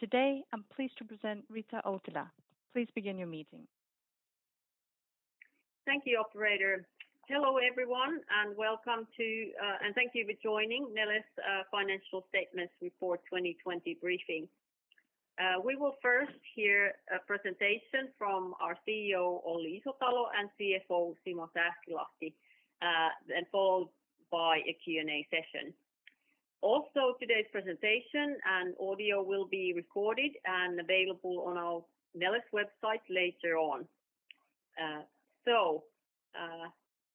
Today, I'm pleased to present Rita Uotila. Please begin your meeting. Thank you, operator. Hello, everyone, and thank you for joining Neles Financial Statements Report 2020 briefing. We will first hear a presentation from our CEO, Olli Isotalo, and CFO, Simo Sääskilahti, then followed by a Q&A session. Also, today's presentation, an audio will be recorded and available on our Neles website later on.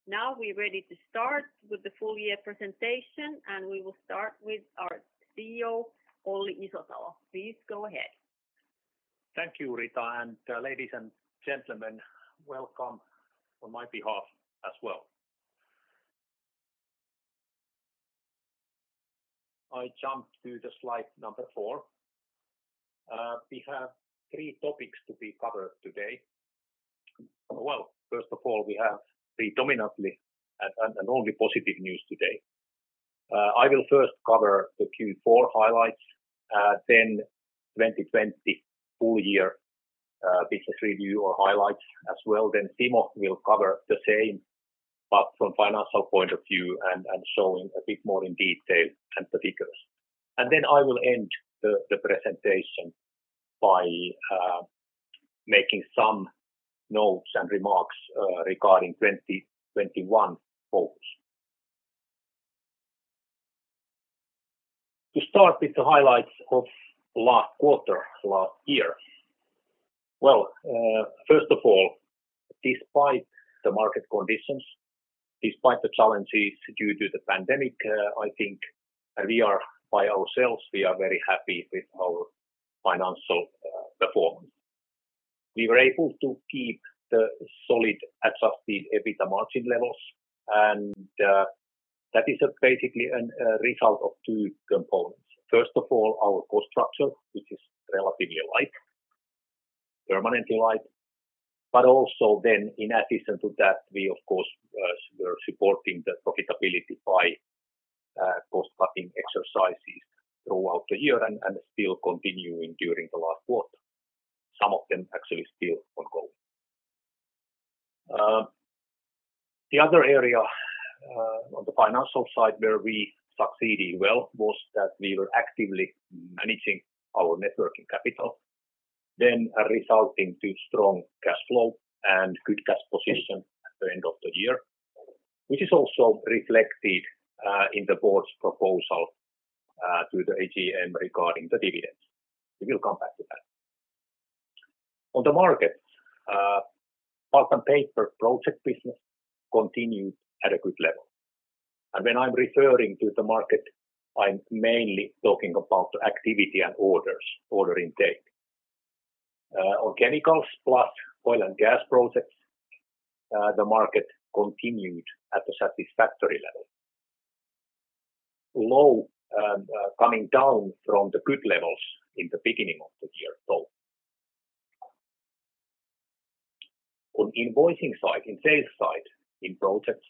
Now we're ready to start with the full year presentation, and we will start with our CEO, Olli Isotalo. Please go ahead. Thank you, Rita, and ladies and gentlemen, welcome on my behalf as well. I jump to the slide number four. We have three topics to be covered today. Well, first of all, we have predominantly and only positive news today. I will first cover the Q4 highlights, then 2020 full-year business review or highlights as well. Simo will cover the same, but from financial point of view and showing a bit more in detail and the figures. I will end the presentation by making some notes and remarks regarding 2021 focus. To start with the highlights of last quarter, last year. Well, first of all, despite the market conditions, despite the challenges due to the pandemic, I think we are by ourselves, we are very happy with our financial performance. We were able to keep the solid adjusted EBITDA margin levels. That is basically a result of two components. First of all, our cost structure, which is relatively light, permanently light, but also then in addition to that, we, of course, were supporting the profitability by cost-cutting exercises throughout the year and still continuing during the last quarter. Some of them actually still ongoing. The other area on the financial side where we succeeded well was that we were actively managing our net working capital, then resulting to strong cash flow and good cash position at the end of the year, which is also reflected in the board's proposal to the AGM regarding the dividends. We will come back to that. On the market, pulp and paper project business continued at a good level. When I'm referring to the market, I'm mainly talking about the activity and orders, order intake. On chemicals plus oil and gas projects, the market continued at a satisfactory level. Low coming down from the good levels in the beginning of the year though. On invoicing side, in sales side, in projects,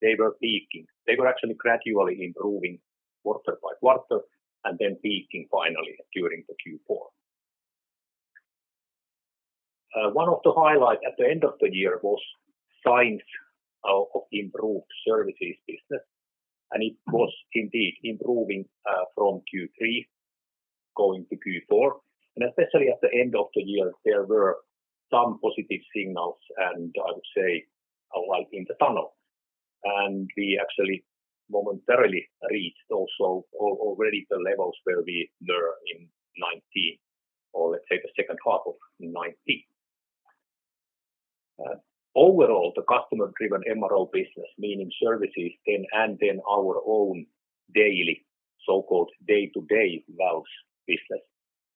they were peaking. They were actually gradually improving quarter by quarter and then peaking finally during the Q4. One of the highlight at the end of the year was signs of improved services business, and it was indeed improving from Q3 going to Q4, and especially at the end of the year, there were some positive signals, and I would say a light in the tunnel. We actually momentarily reached also already the levels where we were in 2019 or let's say the second half of 2019. Overall, the customer-driven MRO business, meaning services and then our own daily, so-called day-to-day valves business,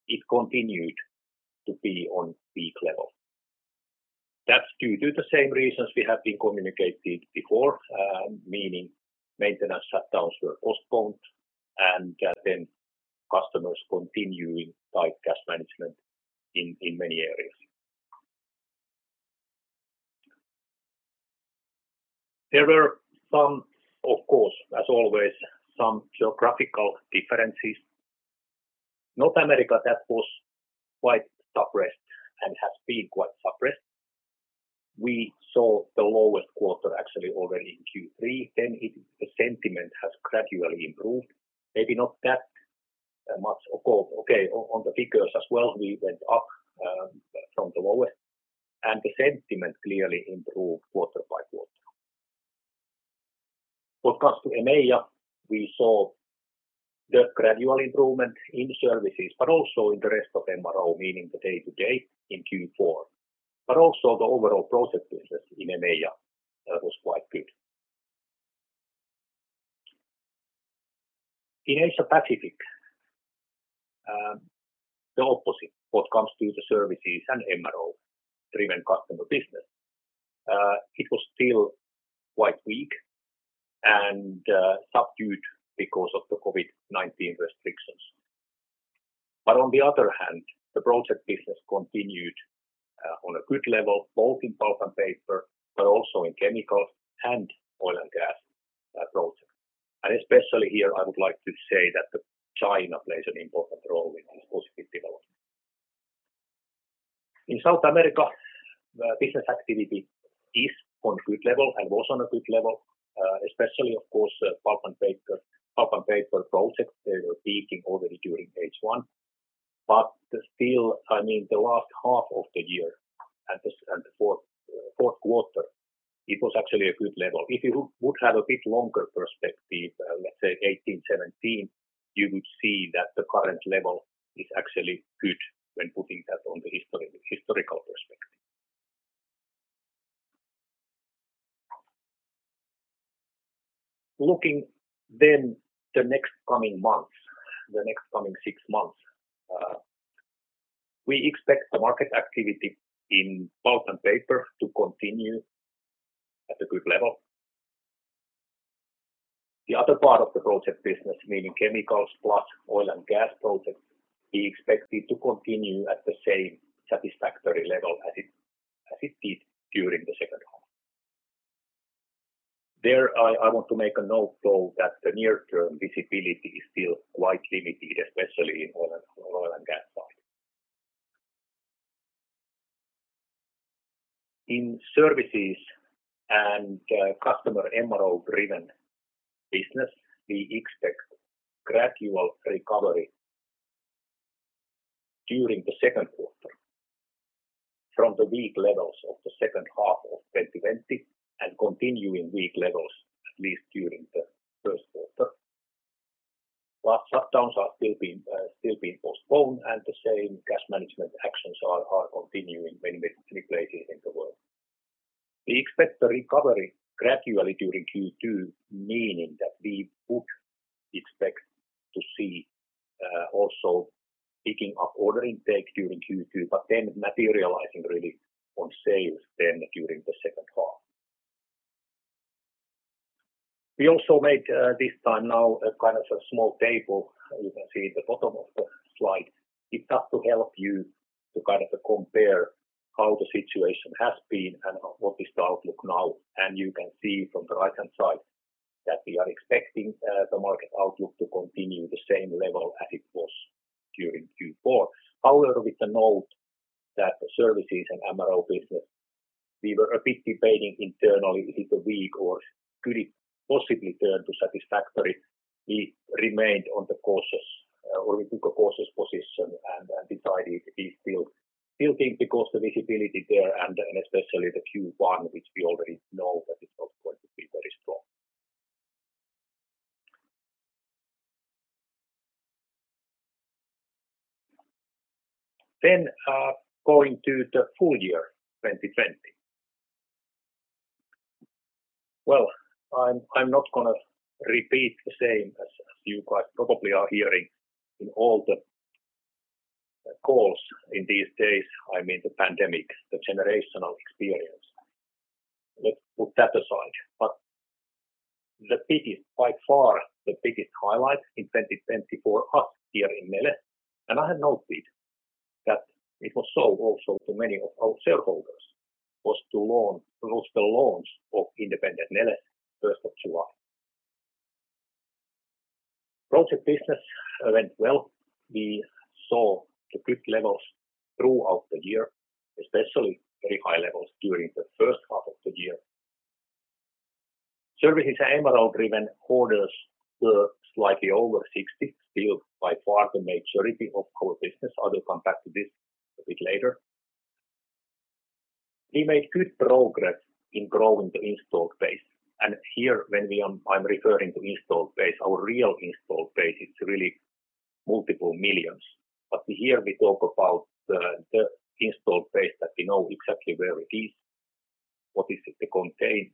it continued to be on peak level. That's due to the same reasons we have been communicating before, meaning maintenance shutdowns were postponed and then customers continuing tight cash management in many areas. There were some, of course, as always, some geographical differences. North America, that was quite suppressed, and has been quite suppressed. We saw the lowest quarter actually already in Q3, and the sentiment has gradually improved, maybe not that much. Okay, on the figures as well, we went up from the lowest, and the sentiment clearly improved quarter by quarter. What comes to EMEA, we saw the gradual improvement in services, but also in the rest of MRO, meaning the day-to-day in Q4, but also, the overall project business in EMEA was quite good. In Asia-Pacific, the opposite when it comes to the services and MRO-driven customer business. It was still quite weak and subdued because of the COVID-19 restrictions. On the other hand, the project business continued on a good level, both in pulp and paper, but also in chemicals and oil and gas approach, and especially here, I would like to say that China plays an important role in this positive development. In South America, business activity is on good level and was on a good level, especially, of course, pulp and paper projects. They were peaking already during H1, but still, the last half of the year and the fourth quarter, it was actually a good level. If you would have a bit longer perspective, let's say 2018, 2017, you would see that the current level is actually good when putting that on the historical perspective. Looking then the next coming months, the next coming six months, we expect the market activity in pulp and paper to continue at a good level. The other part of the project business, meaning chemicals plus oil and gas projects, we expect it to continue at the same satisfactory level as it did during the second half. There, I want to make a note, though, that the near-term visibility is still quite limited, especially in oil and gas side. In services and customer MRO-driven business, we expect gradual recovery during the second quarter from the weak levels of the second half of 2020 and continuing weak levels at least during the first quarter. Last shutdowns are still being postponed and the same cash management actions are continuing in many places in the world. We expect the recovery gradually during Q2, meaning that we would expect to see also picking up order intake during Q2, but then materializing really on sales then during the second half. We also made this time now a kind of a small table. You can see at the bottom of the slide. It's just to help you to kind of compare how the situation has been and what is the outlook now. You can see from the right-hand side that we are expecting the market outlook to continue the same level as it was during Q4. However, with the note that services and MRO business, we were a bit debating internally, is it weak or could it possibly turn to satisfactory? We remained on the cautious, or we took a cautious position, and decided we still think because the visibility there and especially the Q1, which we already know that it's not going to be very strong. Then going to the full-year 2020. Well, I'm not going to repeat the same as you guys probably are hearing in all the calls in these days. I mean the pandemic, the generational experience. Let's put that aside, but the biggest by far the biggest highlight in 2020 for us here in Neles, and I have noted that it was so also to many of our shareholders was to launch the launch of independent Neles, 1st of July. Project business went well. We saw good levels throughout the year, especially very high levels during the first half of the year. Services and MRO-driven orders were slightly over 60%, still by far the majority of our business. I will come back to this a bit later. We made good progress in growing the installed base, and here, when I'm referring to install base, our real install base is really multiple millions. Here we talk about the installed base that we know exactly where it is, what it contains,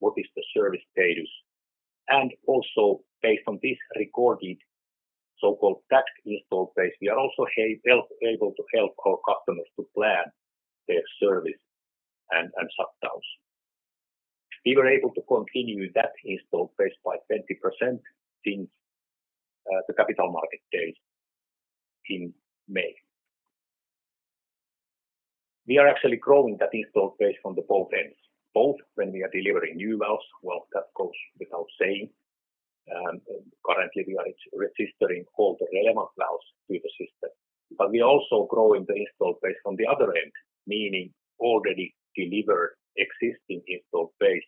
what is the service status, and also based on this recorded so-called tagged installed base, we are also able to help our customers to plan their service and shutdowns. We were able to continue with that installed base by 20% since the Capital Market Day in May. We are actually growing that installed base from the both ends, both, when we are delivering new valves, well, that goes without saying. Currently we are registering all the relevant valves to the system, but we also growing the install base on the other end, meaning already delivered existing installed base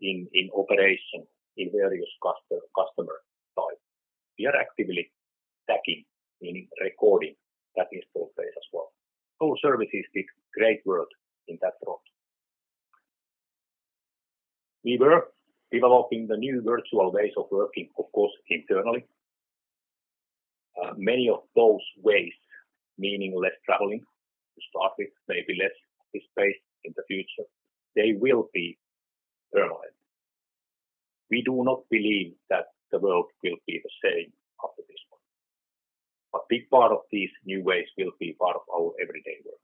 in operation in various customer side. We are actively tagging, meaning recording that installed base as well. Our services did great work in that front. We were developing the new virtual ways of working, of course, internally. Many of those ways, meaning less traveling to start with, maybe less office space in the future, they will be permanent. We do not believe that the world will be the same after this one. A big part of these new ways will be part of our everyday work.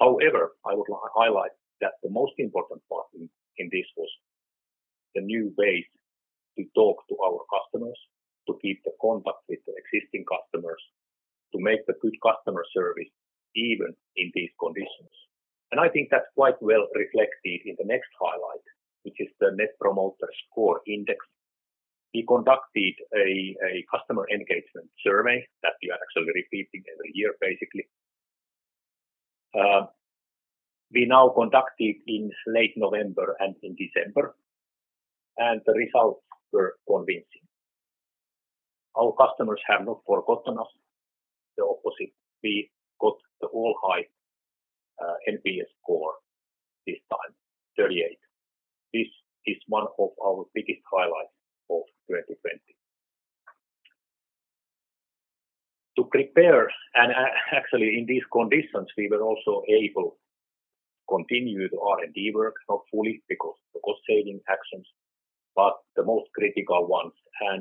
However, I would like to highlight that the most important part in this was the new ways to talk to our customers, to keep the contact with the existing customers, to make the good customer service even in these conditions. I think that's quite well reflected in the next highlight, which is the Net Promoter Score index. We conducted a customer engagement survey that we are actually repeating every year, basically. We now conducted in late November and in December. The results were convincing. Our customers have not forgotten us. The opposite, we got the all-high NPS score this time, 38. This is one of our biggest highlights for 2020. To prepare, and actually in these conditions, we were also able continue the R&D work, not fully because the cost-saving actions, but the most critical ones.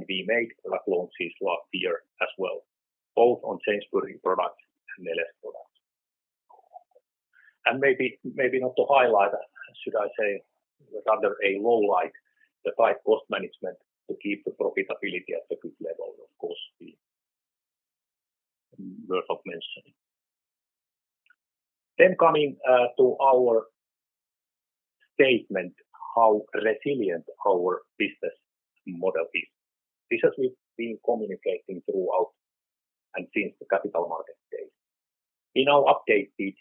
We made lahk launches last year as well, both on Jamesbury products and Neles products, and maybe not to highlight, should I say, rather a low light, the tight cost management to keep the profitability at a good level, of course, worth of mentioning. Coming to our statement of how resilient our business model is. This as we've been communicating throughout and since the Capital Market Day. We now updated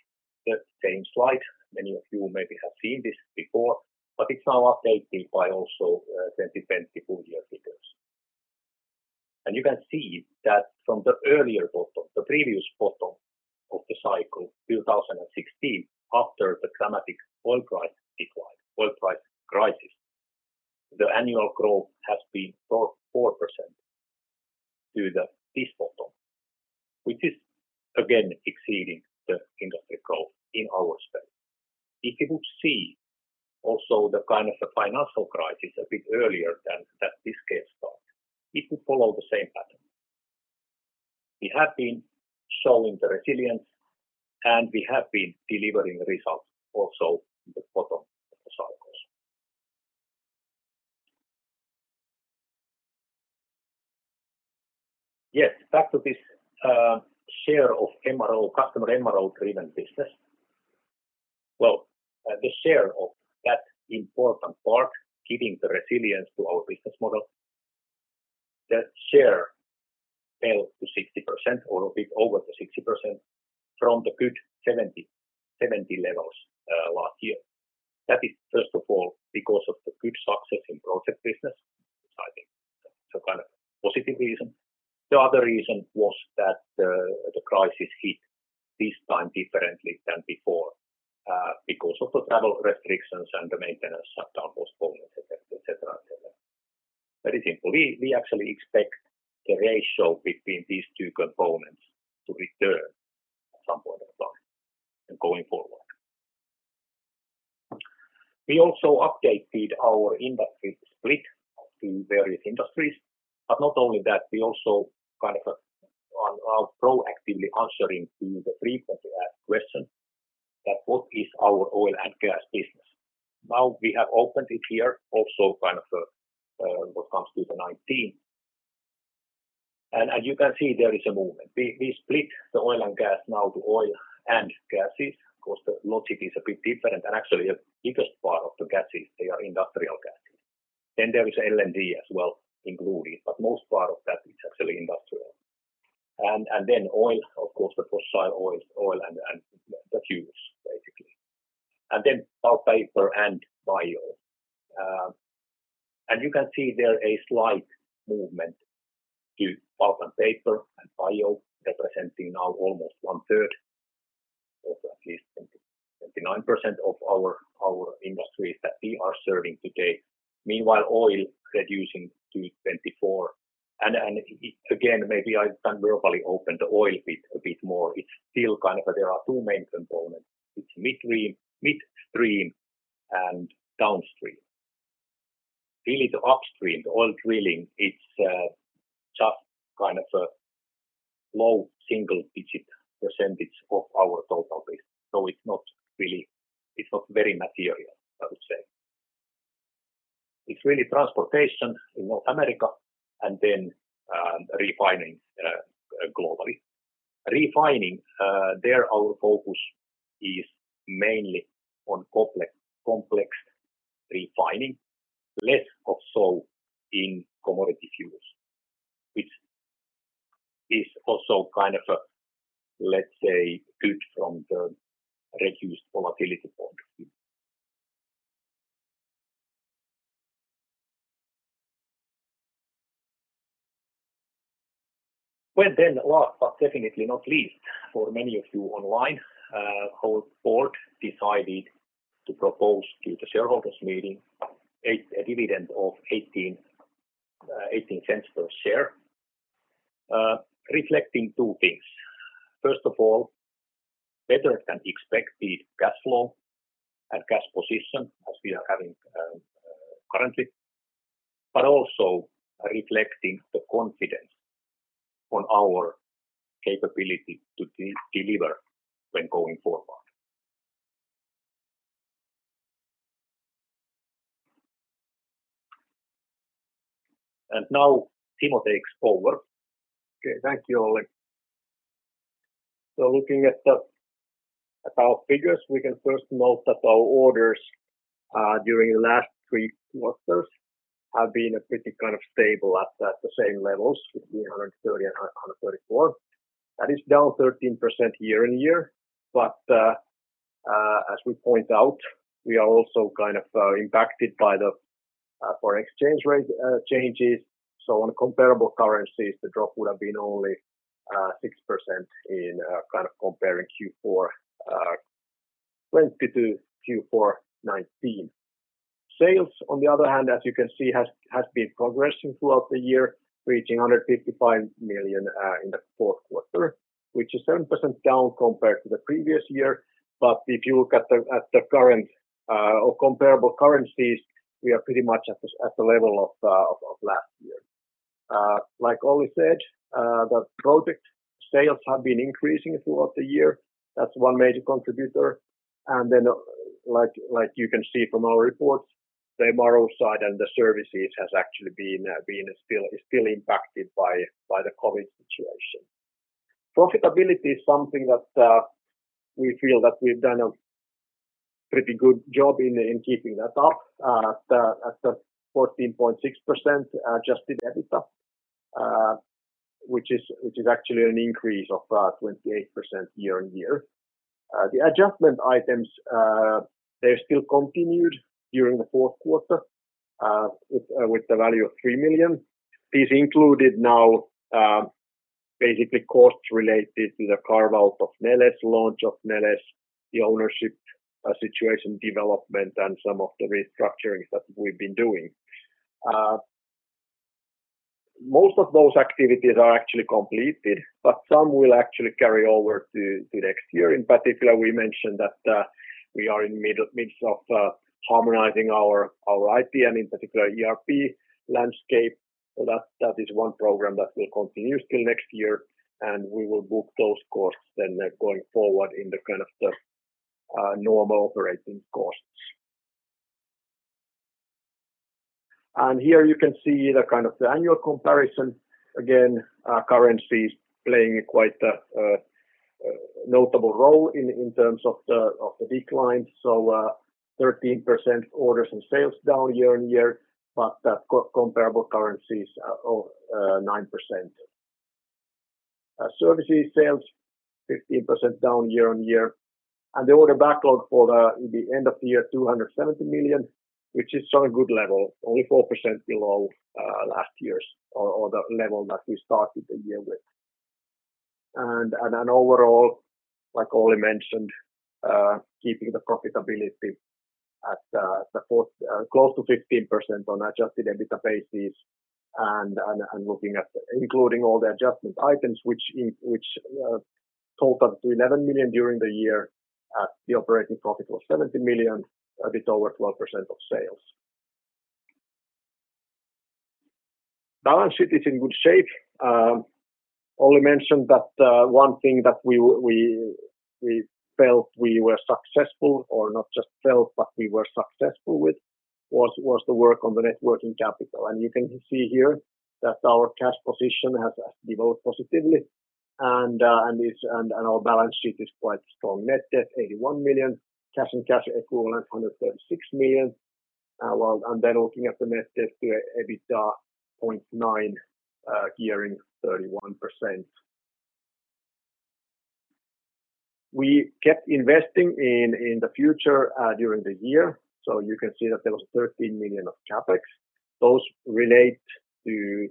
the same slide. Many of you maybe have seen this before, but it's now updated by also 2020 full-year figures. You can see that from the earlier bottom, the previous bottom of the cycle, 2016, after the dramatic oil price decline, oil price crisis, the annual growth has been 4% to this bottom, which is again exceeding the industry growth in our space. If you would see also the kind of the financial crisis a bit earlier than this case start, it would follow the same pattern. We have been showing the resilience, and we have been delivering the results also in the bottom of the cycles. Yes, back to this share of customer MRO driven business. Well, the share of that important part, giving the resilience to our business model, that share fell to 60% or a bit over the 60% from the good 70% levels last year. That is, first of all, because of the good success in project business, which I think is a kind of positive reason. The other reason was that the crisis hit this time differently than before because of the travel restrictions and the maintenance shutdown, postponement, et cetera, et cetera, very simple. We actually expect the ratio between these two components to return at some point in time going forward. We also updated our industry split to various industries, but not only that, we also kind of are proactively answering to the frequently asked question that what is our oil and gas business? Now we have opened it here also kind of what comes to the 2019, and as you can see, there is a movement. We split the oil and gas now to oil and gases because the logic is a bit different. Actually, the biggest part of the gases, they are industrial gases, and there is LNG as well included, but most part of that is actually industrial. Oil, of course, the fossil oil and the fuels, basically, and then pulp, paper, and bio. You can see there a slight movement to pulp and paper and bio representing now almost 1/3, also at least 29% of our industries that we are serving today. Meanwhile, oil reducing to 24%, and it is, again, maybe I can verbally open the oil bit a bit more. There are two main components. It's midstream and downstream. Really the upstream, the oil drilling, it's just kind of a low single-digit percentage of our total business. It's not very material, I would say. It's really transportation in North America and then refining globally. Refining, there our focus is mainly on complex refining, less of so in commodity fuels, which is also kind of, let's say, good from the reduced volatility point of view. Well, then last but definitely not least, for many of you online, our board decided to propose to the shareholders meeting a dividend of 0.18 per share reflecting two things. First of all, better than expected cash flow and cash position as we are having currently, but also reflecting the confidence on our capability to deliver when going forward, and now Simo takes over. Okay. Thank you, Olli. Looking at our figures, we can first note that our orders during the last three quarters have been pretty stable at the same levels between 130 million and 134 million. That is down 13% year-on-year, but as we point out, we are also kind of impacted by the foreign exchange rate changes. On comparable currencies, the drop would have been only 6% in comparing Q4 2020 to Q4 2019. Sales, on the other hand, as you can see, has been progressing throughout the year, reaching 155 million in the fourth quarter, which is 7% down compared to the previous year. If you look at the current or comparable currencies, we are pretty much at the level of last year. Like Olli said, the project sales have been increasing throughout the year. That's one major contributor, and then like you can see from our reports, the MRO side and the services has actually been still impacted by the COVID situation. Profitability is something that we feel that we've done a pretty good job in keeping that up at the 14.6% adjusted EBITDA, which is actually an increase of 28% year-on-year. The adjustment items, they still continued during the fourth quarter with the value of 3 million. These included now basically costs related to the carve-out of Neles, launch of Neles, the ownership situation development, and some of the restructurings that we've been doing. Most of those activities are actually completed but some will actually carry over to next year. In particular, we mentioned that we are in midst of harmonizing our IP, and in particular ERP landscape. That is one program that will continue until next year, and we will book those costs then going forward in the kind of the normal operating costs. Here, you can see the kind of the annual comparison, again, currencies playing quite a notable role in terms of the decline, so 13% orders and sales down year-on-year, but comparable currencies of 9%. Services sales 15% down year-on-year, and the order backlog for the end of the year, 270 million, which is on a good level, only 4% below last year's or the level that we started the year with. Overall, like Olli mentioned, keeping the profitability close to 15% on adjusted EBITDA basis and looking at including all the adjustment items, which total to 11 million during the year, the operating profit was 70 million, a bit over 12% of sales. Balance sheet is in good shape. Olli mentioned that one thing that we felt we were successful or not just felt, but we were successful with was the work on the net working capital. You can see here that our cash position has developed positively and our balance sheet is quite strong. Net debt, 81 million. Cash and cash equivalents, 136 million, and then looking at the net debt here, EBITDA 0.9, gearing 31%. We kept investing in the future during the year. You can see that there was 13 million of CapEx. Those relate to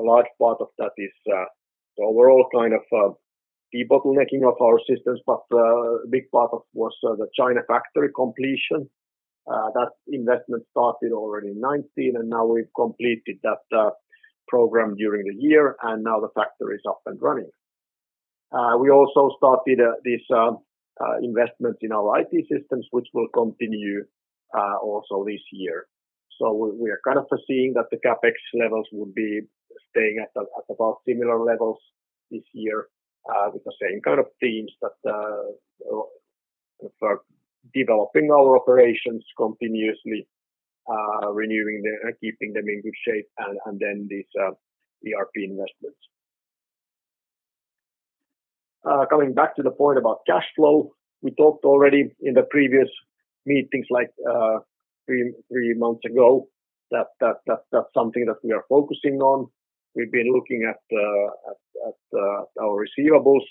a large part of that is the overall kind of debottlenecking of our systems but a big part of was the China factory completion. That investment started already in 2019, and now we've completed that program during the year, and now the factory is up and running. We also started this investment in our IT systems which will continue also this year. We are kind of foreseeing that the CapEx levels will be staying at about similar levels this year with the same kind of themes that for developing our operations continuously renewing them and keeping them in good shape, and then these ERP investments. Coming back to the point about cash flow, we talked already in the previous meetings like three months ago that that's something that we are focusing on. We've been looking at our receivables,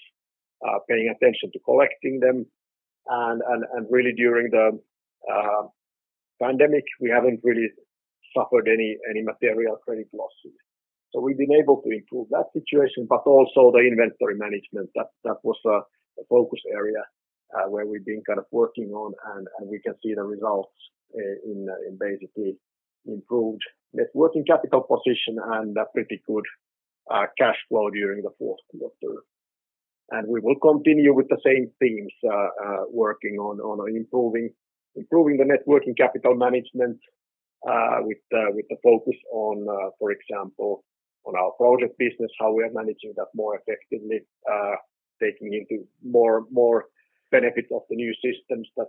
paying attention to collecting them, and really during the pandemic, we haven't really suffered any material credit losses. We've been able to improve that situation, but also the inventory management. That was a focus area where we've been kind of working on, and we can see the results and basically improved, net working capital position and a pretty good cash flow during the fourth quarter. We will continue with the same themes, working on improving the net working capital management with the focus on, for example, on our project business, how we are managing that more effectively taking into more benefits of the new systems that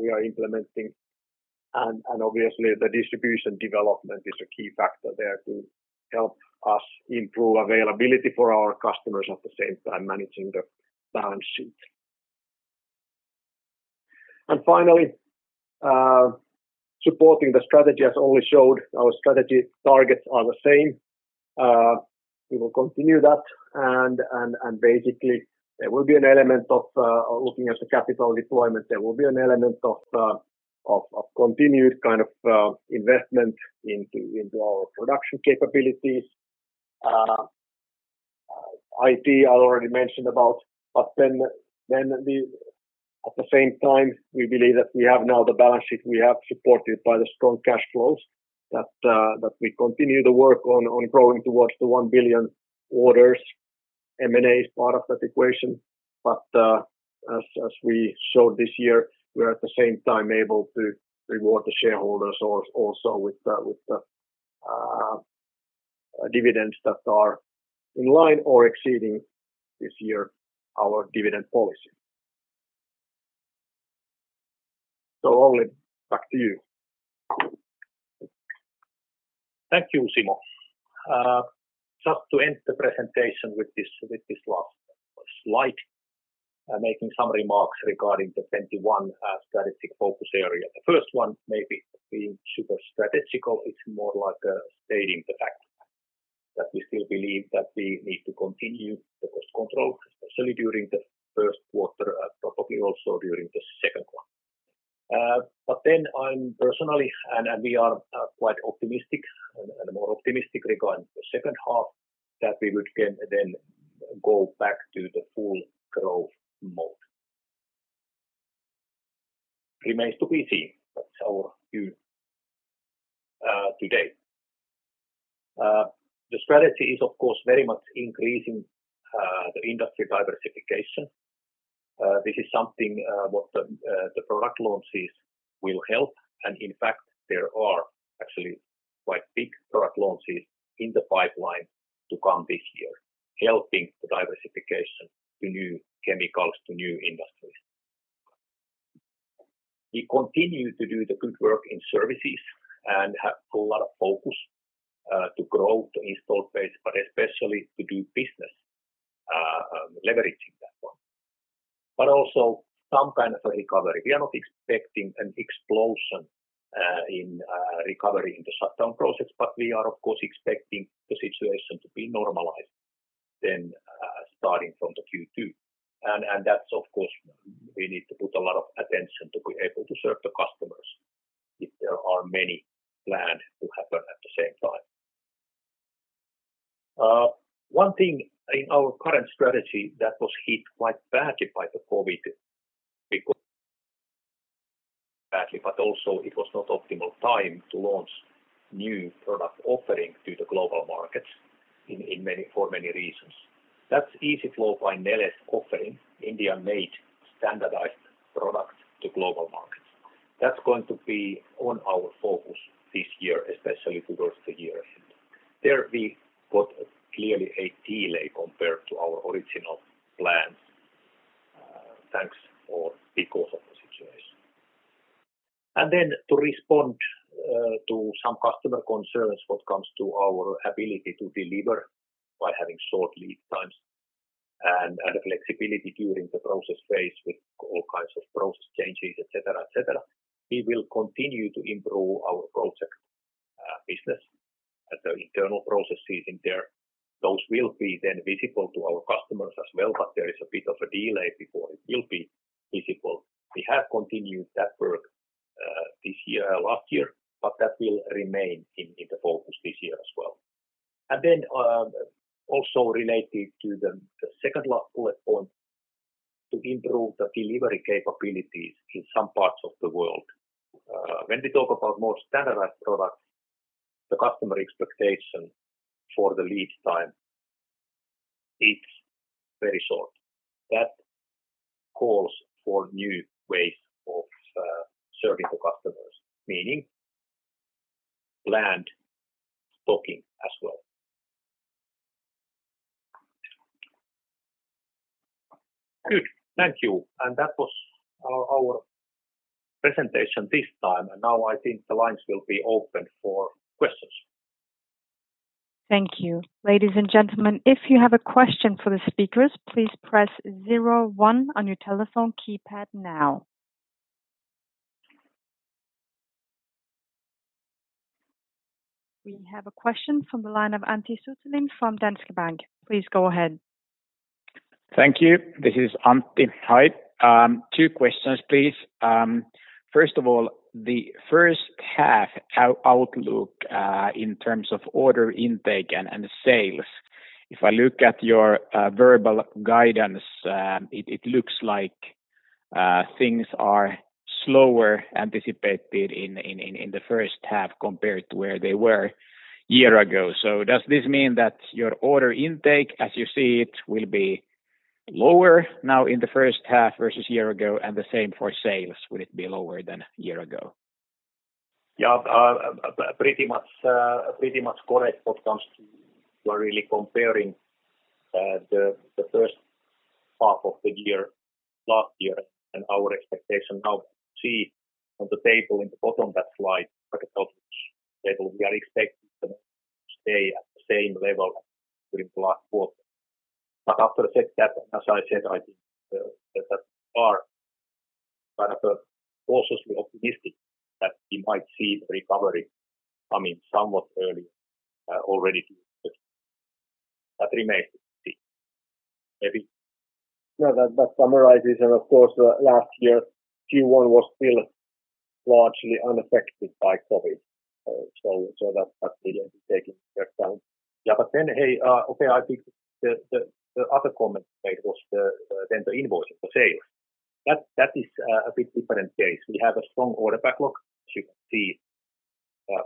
we are implementing and, obviously, the distribution development is a key factor there to help us improve availability for our customers, at the same time managing the balance sheet. Finally, supporting the strategy, as Olli showed, our strategy targets are the same. We will continue that, and basically there will be an element of looking at the capital deployment. There will be an element of continued kind of investment into our production capabilities. IT, I already mentioned about at the end of this. At the same time, we believe that we have now the balance sheet we have supported by the strong cash flows, that we continue the work on growing towards the 1 billion orders. M&A is part of that equation. As we showed this year, we are at the same time able to reward the shareholders also with the dividends that are in line or exceeding this year our dividend policy. Olli, back to you. Thank you, Simo. Just to end the presentation with this last slide, making some remarks regarding the 2021 strategic focus area. The first one may be being super strategical. It's more like stating the fact that we still believe that we need to continue the cost control, especially during the first quarter, and probably also during the second one. But then I'm personally, and we are quite optimistic, and more optimistic regarding the second half, that we would then go back to the full growth mode. It remains to be seen so that's our view today. The strategy is, of course, very much increasing the industry diversification. This is something what the product launches will help. In fact, there are actually quite big product launches in the pipeline to come this year, helping the diversification to new chemicals, to new industries. We continue to do the good work in services and have a lot of focus to grow the install base, but especially to do business, leveraging that one, but also some kind of a recovery. We are not expecting an explosion in recovery in the shutdown process, but we are of course expecting the situation to be normalized then starting from the Q2, and that's, of course, we need to put a lot of attention to be able to serve the customers if there are many planned to happen at the same time. One thing in our current strategy that was hit quite badly by the COVID badly, but also it was not optimal time to launch new product offering to the global markets for many reasons. That's Easyflow by Neles offering India-made standardized product to global markets. That's going to be on our focus this year, especially towards the year end. There we got clearly a delay compared to our original plans because of the situation. To respond to some customer concerns when it comes to our ability to deliver by having short lead times and the flexibility during the process phase with all kinds of process changes, et cetera. We will continue to improve our project business at the internal processes in there. Those will be then visible to our customers as well, but there is a bit of a delay before it will be visible. We have continued that work this year and last year, but that will remain in the focus this year as well, and then also related to the second bullet point, to improve the delivery capabilities in some parts of the world. When we talk about more standardized products, the customer expectation for the lead time, it's very short. That calls for new ways of serving the customers, meaning planned stocking as well. Good. Thank you. That was our presentation this time and now I think the lines will be opened for questions. Thank you. Ladies and gentlemen, if you have a question for the speakers, please press zero one on your telephone keypad now. We have a question from the line of Antti Suttelin from Danske Bank. Please go ahead. Thank you. This is Antti. Hi. Two questions, please. First of all, the first half outlook in terms of order intake and sales, if I look at your verbal guidance, it looks like things are slower anticipated in the first half compared to where they were a year ago. Does this mean that your order intake, as you see it, will be lower now in the first half versus a year ago, and the same for sales, will it be lower than a year ago? Yeah, pretty much correct what comes to really comparing the first half of the year last year and our expectation now, see on the table in the bottom that slide, like I told you, table. We are expecting to stay at the same level during last quarter. After I said that, as I said, I think that are kind of cautiously optimistic that we might see the recovery coming somewhat early already this year. That remains to be seen. Maybe? Yeah. That summarizes and of course, last year Q1 was still largely unaffected by COVID. That really is taking effect now. Yeah. Hey, okay, I think the other comment you made was then the invoicing, the sales. That is a bit different case. We have a strong order backlog, as you can see from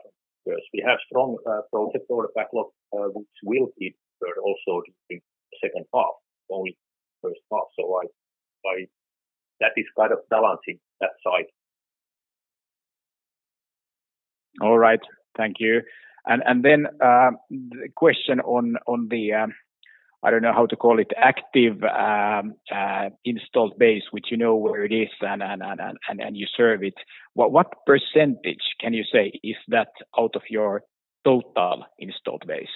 the charts. We have strong project order backlog which will be served also during the second half, only first half. That is kind of balancing that side. All right. Thank you and then a question on the, I don't know how to call it, active installed base, which you know where it is and you serve it. What percentage can you say is that out of your total installed base?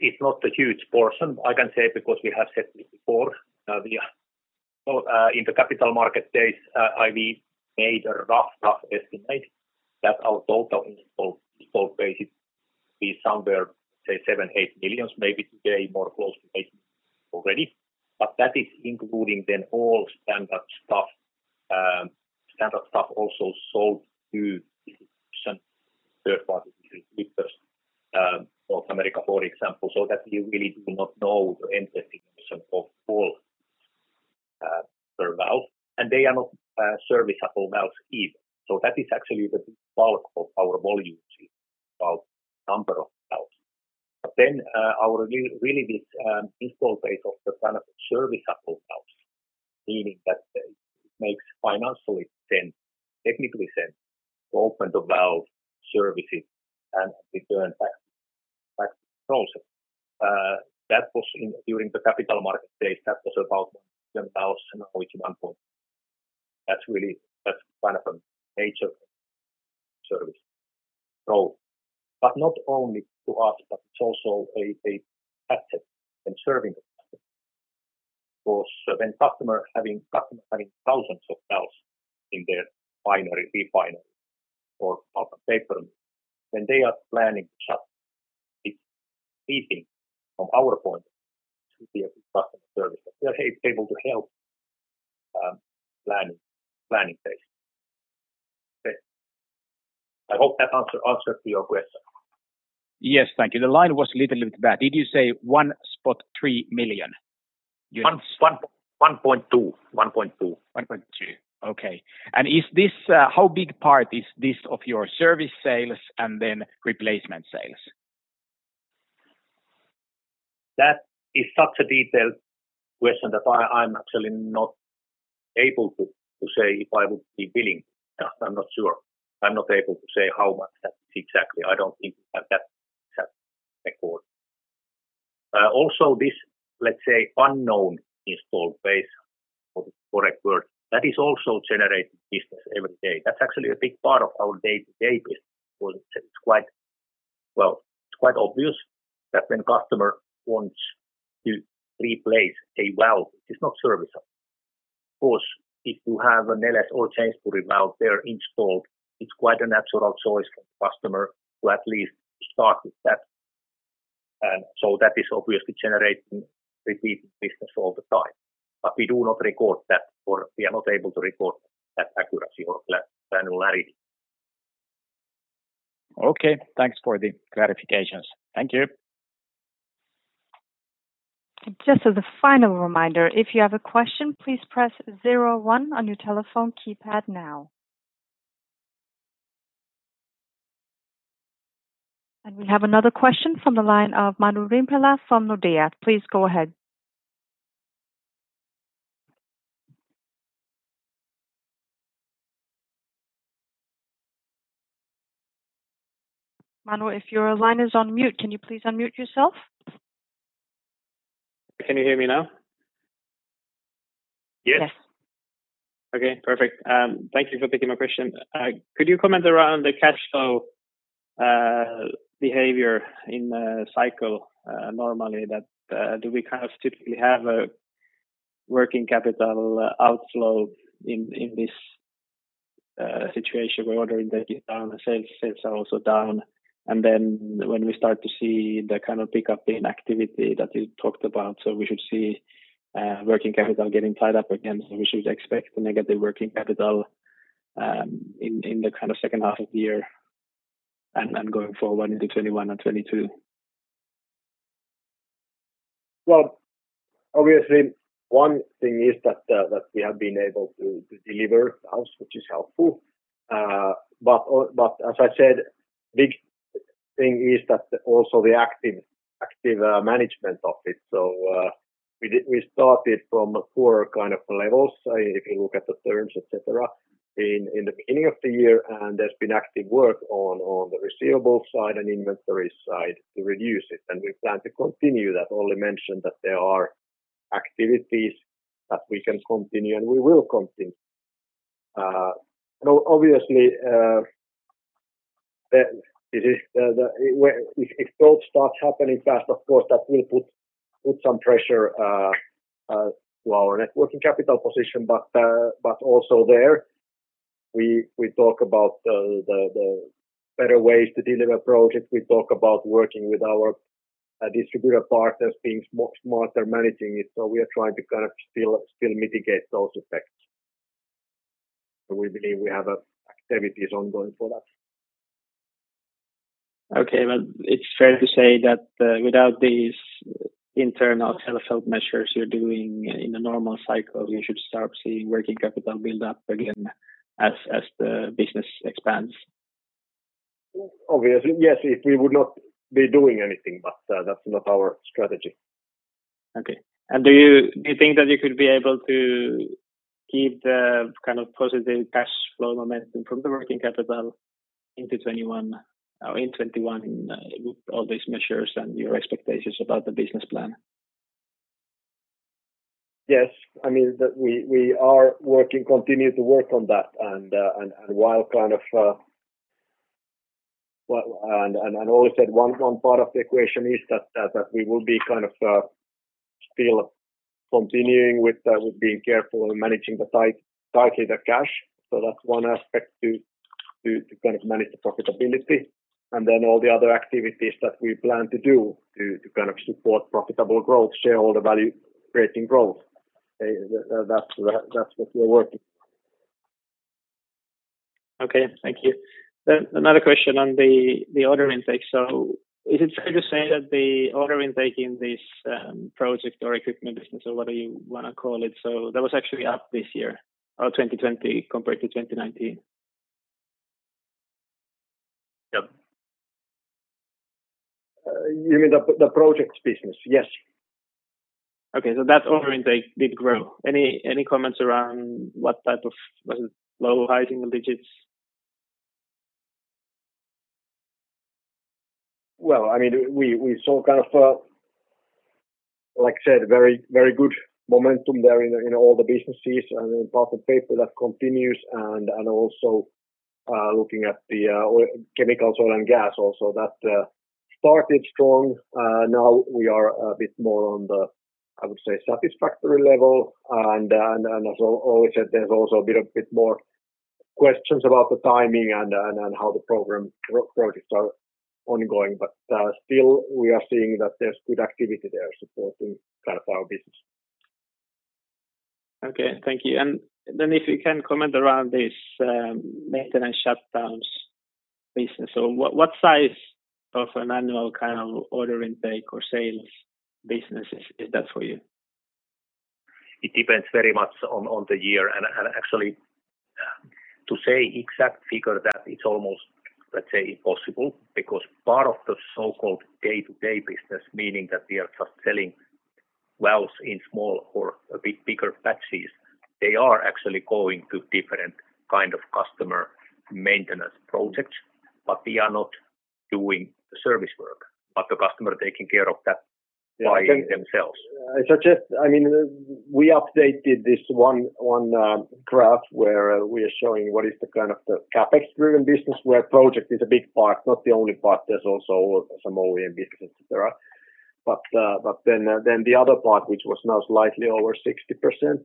It's not a huge portion. I can say because we have said this before. In the Capital Market days, I made a rough estimate that our total installed base is somewhere, say, 7 millions, 8 millions maybe today more close to eight million already. That is including then all standard stuff also sold to some third party distributors, North America, for example. That you really do not know the end destination of all the valves, and they are not serviceable valves either. That is actually the bulk of our volumes in terms of number of valves. Our really big install base of the kind of serviceable valves, meaning that it makes financially sense, technically sense to open the valve services and return back closer. During the capital market days, that was about 1.2 million. That's kind of a major service. Not only to us, but it's also an asset when serving the customer. When customers have 1,000s of valves in their refinery or pulp and paper, when they are planning to shut it. We think from our point to be able to customer service that we are able to help planning phase. I hope that answers to your question. Yes. Thank you. The line was little bit bad. Did you say 1.3 million? 1.2 million, 1.2 million. 1.2 million, okay. How big part is this of your service sales and then replacement sales? That is such a detailed question that I'm actually not able to say if I would be billing. I'm not sure. I'm not able to say how much that is exactly. I don't think we have that record. Also, this, let's say unknown installed base for the correct word, that is also generating business every day. That's actually a big part of our day-to-day business because it's quite obvious that when customer wants to replace a valve, it is not serviceable. Of course, if you have a Neles or Jamesbury valve there installed, it's quite a natural choice for the customer to at least start with that. That is obviously generating repeating business all the time. We do not record that or we are not able to record that accuracy or granularity. Okay. Thanks for the clarifications. Thank you. As a final reminder, if you have a question, please press zero one on your telephone keypad now. We have another question from the line of Manu Rimpelä from Nordea. Please go ahead. Manu, if your line is on mute, can you please unmute yourself? Can you hear me now? Yes. Okay, perfect, thank you for taking my question. Could you comment around the cash flow behavior in the cycle? Normally do we kind of typically have a working capital outflow in this situation where order intake is down, sales are also down, and then when we start to see the kind of pickup in activity that you talked about, so we should see working capital getting tied up again, so we should expect negative working capital in the kind of second half of the year and going forward into 2021 and 2022? Well, obviously, one thing is that we have been able to deliver the house, which is helpful. As I said, big thing is that also the active management of it. We started from poor kind of levels, if you look at the terms, et cetera, in the beginning of the year, and there's been active work on the receivable side and inventory side to reduce it, and we plan to continue that. Olli mentioned that there are activities that we can continue, and we will continue. Obviously, if growth starts happening fast, of course, that will put some pressure to our networking capital position, but also there, we talk about the better ways to deliver projects. We talk about working with our distributor partners, being smarter, managing it, so we are trying to still mitigate those effects. We believe we have activities ongoing for that. Okay. Well, it's fair to say that without these internal self-help measures you're doing in a normal cycle, we should start seeing working capital build up again as the business expands. Obviously, yes, if we would not be doing anything, but that's not our strategy. Okay. Do you think that you could be able to keep the positive cash flow momentum from the working capital in 2021 with all these measures and your expectations about the business plan? Yes. We are working, continue to work on that, and Olli said one part of the equation is that we will be still continuing with being careful and managing tightly the cash. That's one aspect to manage the profitability, all the other activities that we plan to do to support profitable growth, shareholder value creating growth. That's what we're working. Okay. Thank you. Another question on the order intake. Is it fair to say that the order intake in this project or equipment business, or whatever you want to call it, that was actually up this year, or 2020 compared to 2019? Yep. You mean the projects business? Yes. Okay, so that order intake did grow. Any comments around was it low or high single digits? Well, we saw, like I said, very good momentum there in all the businesses and in pulp and paper that continues, and also looking at the chemical, oil, and gas also, that started strong. Now we are a bit more on the, I would say, satisfactory level. As Olli said, there's also a bit more questions about the timing and how the program projects are ongoing, but still, we are seeing that there's good activity there supporting our business. Okay. Thank you. If you can comment around this maintenance shutdowns business. What size of an annual order intake or sales business is that for you? It depends very much on the year, and actually, to say exact figure that it's almost, let's say, impossible because part of the so-called day-to-day business, meaning that we are just selling valves in small or a bit bigger batches. They are actually going to different kind of customer maintenance projects, but we are not doing the service work, but the customer taking care of that by themselves. I suggest we updated this one graph where we are showing what is the CapEx-driven business, where project is a big part, not the only part. There's also some OEM business, et cetera, but then the other part, which was now slightly over 60%,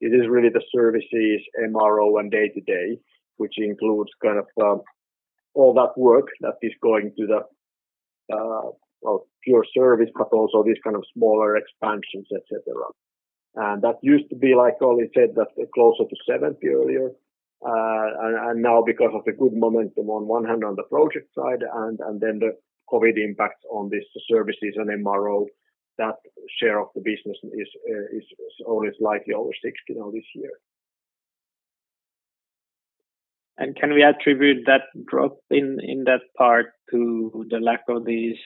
it is really the services MRO and day to day, which includes all that work that is going to the pure service proposal, these kind of smaller expansions, et cetera. That used to be, like Olli said, that closer to 70 earlier. Now because of the good momentum on one hand on the project side and then the COVID impact on these services and MRO, that share of the business is only slightly over 60 now this year. Can we attribute that drop in that part to the lack of these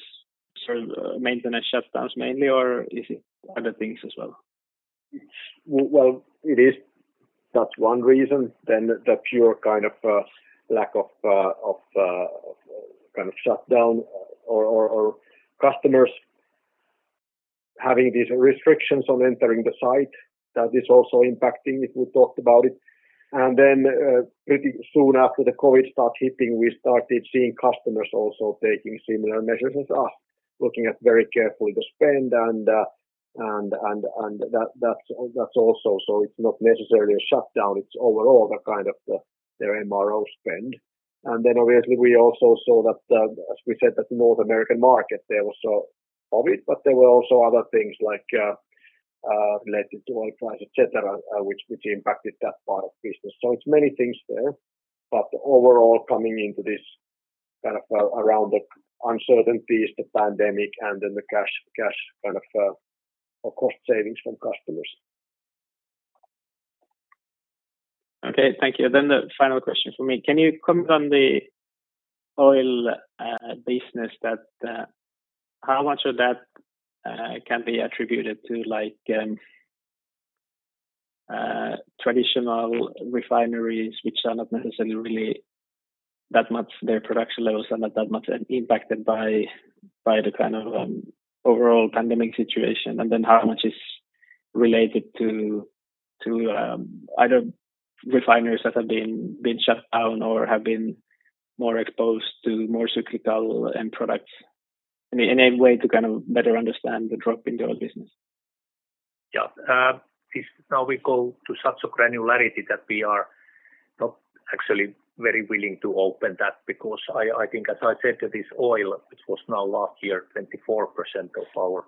sort of maintenance shutdowns mainly or is it other things as well? Well, it is, but that's one reason. The pure kind of lack of shutdown or customers having these restrictions on entering the site, that is also impacting it. We talked about it, and then pretty soon after the COVID start hitting, we started seeing customers also taking similar measures as us, looking at very carefully the spend and that's also, so it's not necessarily a shutdown, it's overall their MRO spend. Obviously, we also saw that, as we said, that the North American market, there was COVID, but there were also other things like related to oil price, et cetera, which impacted that part of business. It's many things there, but overall, coming into this around the uncertainties, the pandemic, and the cash or cost savings from customers. Okay, thank you, then the final question from me. Can you comment on the oil business that how much of that can be attributed to traditional refineries, their production levels are not that much impacted by the overall pandemic situation? How much is related to either refineries that have been shut down or have been more exposed to more cyclical end products? Any way to better understand the drop in the oil business? Yeah. Now we go to such a granularity that we are not actually very willing to open that because I think, as I said, that this oil, which was now last year 24% of our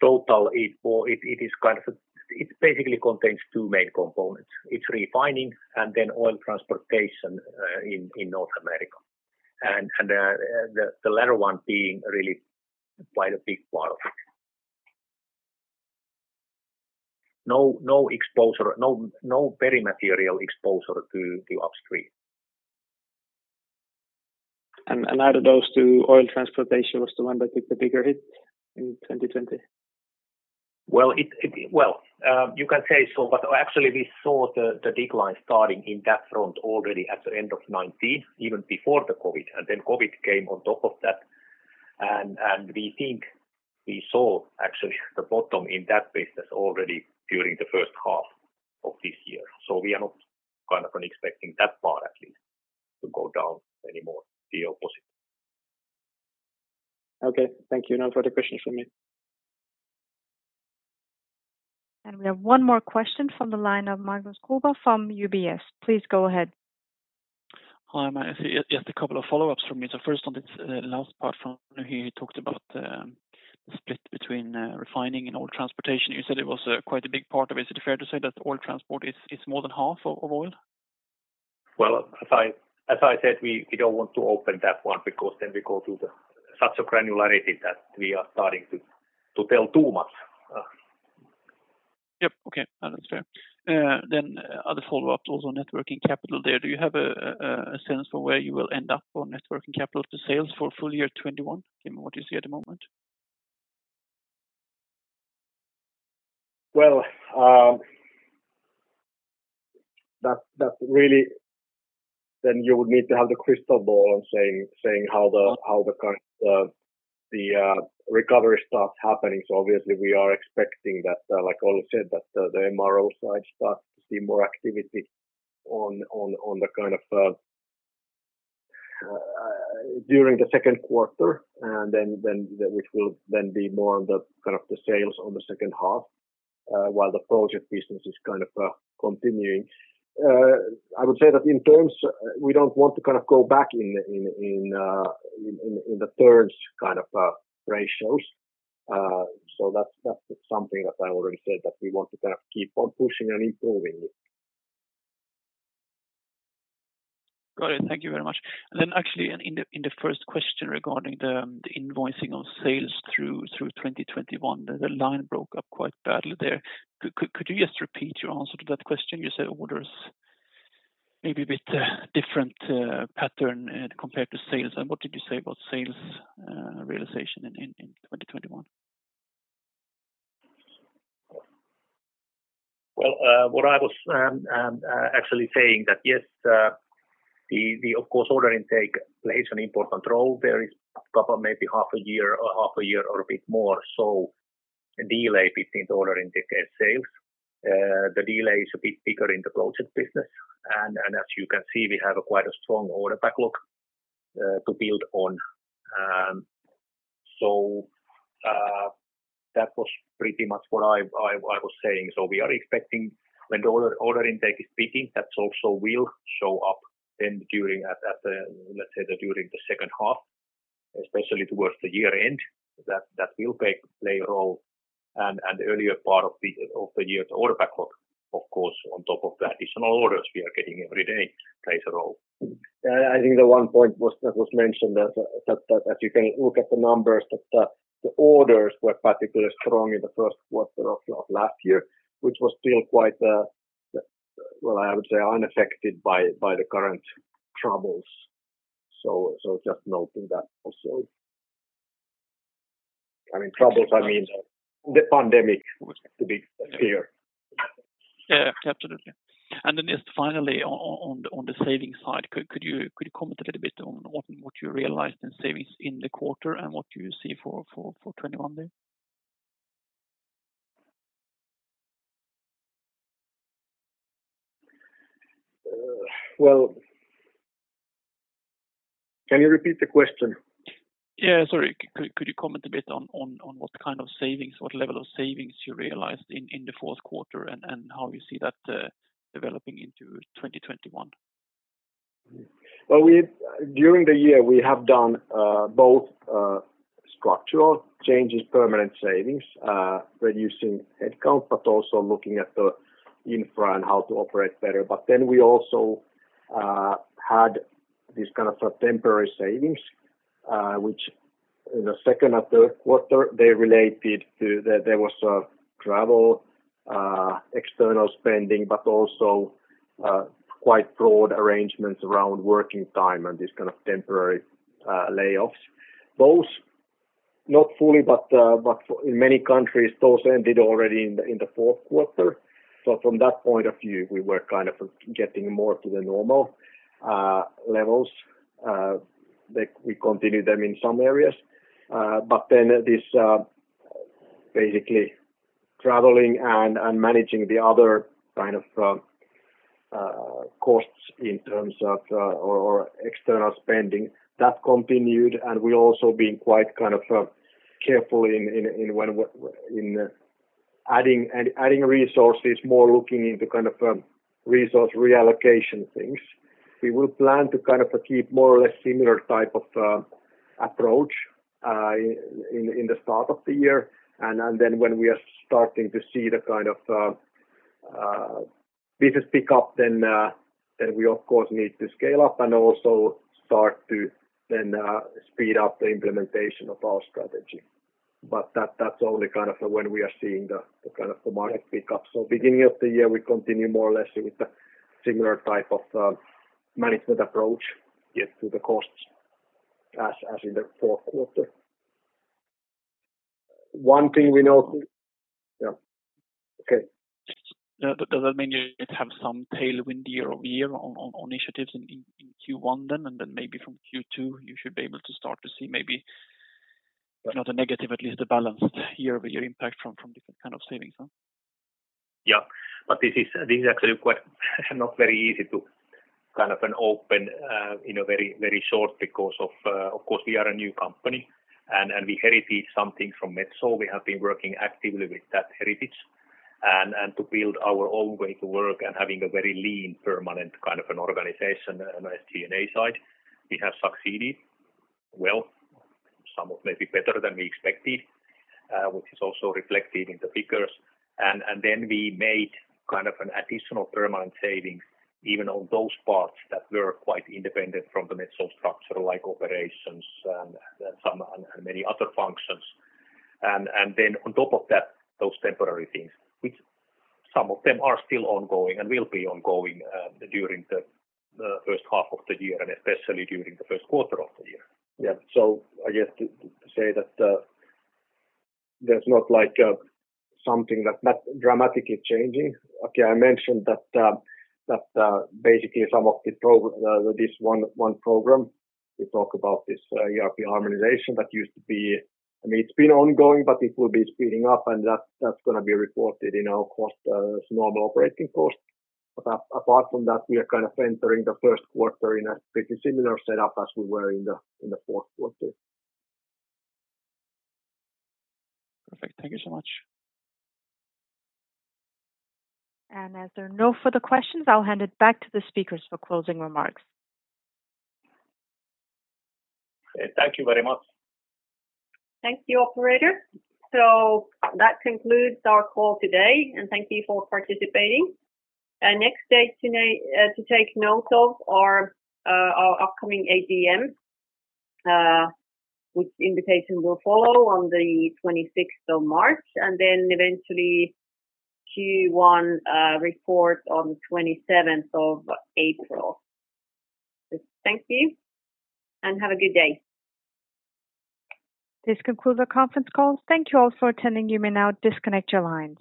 total, it basically contains two main components. It's refining and then oil transportation in North America. The latter one being really quite a big part of it. No very material exposure to the upstream. Are those two oil transportation was the one that took the bigger hit in 2020? Well, you can say so. Actually, we saw the decline starting in that front already at the end of 2019, even before the COVID, and then COVID came on top of that. We think we saw, actually, the bottom in that business already during the first half of this year. We are not expecting that part, at least, to go down anymore, the opposite. Okay. Thank you. No further questions from me. We have one more question from the line of Magnus Kruber from UBS. Please go ahead. Hi, just a couple of follow-ups from me. First on this last part from when he talked about the split between refining and oil transportation, you said it was quite a big part of it. Is it fair to say that oil transport is more than half of oil? Well, as I said, we don't want to open that one because then we go to such a granularity that we are starting to tell too much. Yep. Okay. No, that's fair, then other follow-up, also networking capital there. Do you have a sense for where you will end up for networking capital to sales for full year 2021? What do you see at the moment? Then you would need to have the crystal ball on saying how the recovery starts happening. Obviously, we are expecting that, like Olli said, that the MRO side starts to see more activity during the second quarter, which will then be more on the sales on the second half, while the project business is kind of continuing. I would say that in terms, we don't want to go back in the terms ratios. That's something that I already said, that we want to keep on pushing and improving it. Got it, thank you very much, and then actually in the first question regarding the invoicing of sales through 2021, the line broke up quite badly there. Could you just repeat your answer to that question? You said orders may be a bit different pattern compared to sales. What did you say about sales realization in 2021? What I was actually saying that yes, of course, order intake plays an important role. There is proper maybe half a year or a bit more delay between the order intake and sales. The delay is a bit bigger in the project business. As you can see, we have quite a strong order backlog to build on, so that was pretty much what I was saying. We are expecting when the order intake is picking, that also will show up then during, let's say, during the second half, especially towards the year-end, that will play a role, and earlier part of the year's order backlog, of course, on top of the additional orders we are getting every day, plays a role. I think the one point that was mentioned that you can look at the numbers, that the orders were particularly strong in the first quarter of last year, which was still quite, well, I would say unaffected by the current troubles, just noting that also. Troubles, I mean the pandemic was the big fear. Yeah, absolutely, and then just finally, on the savings side, could you comment a little bit on what you realized in savings in the quarter and what do you see for 2021 there? Well, can you repeat the question? Yeah, sorry, could you comment a bit on what kind of savings, what level of savings you realized in the fourth quarter and how you see that developing into 2021? Well, during the year we have done both structural changes, permanent savings, reducing headcount, but also looking at the infra and how to operate better. We also had these kind of temporary savings, which in the second and third quarter, they related to travel external spending, but also quite broad arrangements around working time and these kind of temporary layoffs. Those, not fully, but in many countries, those ended already in the fourth quarter. From that point of view, we were getting more to the normal levels. We continued them in some areas. This basically traveling and managing the other kind of costs in terms of external spending, that continued, and we've also been quite careful in adding resources, more looking into kind of resource, reallocation things. We will plan to keep more or less similar type of approach in the start of the year. When we are starting to see the kind of business pick up, then we of course need to scale up and also start to then speed up the implementation of our strategy. That's only when we are seeing the market pick up. Beginning of the year, we continue more or less with the similar type of management approach to the costs as in the fourth quarter. One thing we know. Yeah. Okay. Does that mean you have some tailwind year-over-year on initiatives in Q1 then, and then maybe from Q2, you should be able to start to see maybe, if not a negative, at least a balanced year-over-year impact from different kind of savings? Yeah, this is actually not very easy to open in a very short, because, of course, we are a new company, and we heritage something from Metso. We have been working actively with that heritage, and to build our own way to work and having a very lean, permanent kind of an organization on the SG&A side. We have succeeded well, some of maybe better than we expected, which is also reflected in the figures. We made an additional permanent savings, even on those parts that were quite independent from the Metso structure, like operations, and many other functions, and then on top of that, those temporary things, which some of them are still ongoing and will be ongoing during the first half of the year, and especially during the first quarter of the year. Yeah, I guess to say that there's not something that's dramatically changing. Again, I mentioned that basically some of this one program, we talk about this ERP harmonization that used to be It's been ongoing, but it will be speeding up, and that's going to be reported in our normal operating cost. Apart from that, we are entering the first quarter in a pretty similar setup as we were in the fourth quarter. Perfect. Thank you so much. As there are no further questions, I'll hand it back to the speakers for closing remarks. Okay. Thank you very much. Thank you, operator. That concludes our call today and thank you for participating. Next date to take note of are our upcoming AGM, which invitation will follow on the 26th of March, and then eventually Q1 report on the 27th of April. Thank you and have a good day. This concludes our conference call. Thank you all for attending. You may now disconnect your lines.